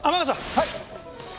はい。